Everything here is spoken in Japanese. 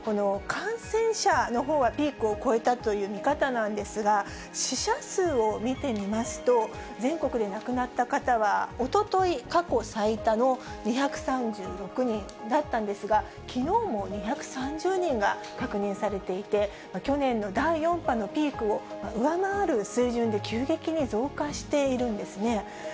感染者のほうはピークを越えたという見方なんですが、死者数を見てみますと、全国で亡くなった方は、おととい、過去最多の２３６人だったんですが、きのうも２３０人が確認されていて、去年の第４波のピークを上回る水準で急激に増加しているんですね。